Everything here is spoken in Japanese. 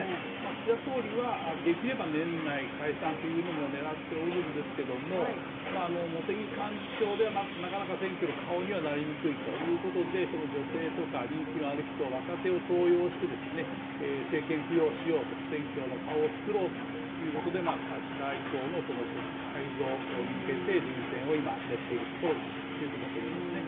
岸田総理はできれば年内解散というのも狙っておるんですけれども茂木幹事長ではなかなか選挙の顔にはなりにくいということで、女性とか人気のある人、若手を登用して選挙の顔を作ろうということで明日以降の改造に向けて人選を今、練っているところだと思いますね。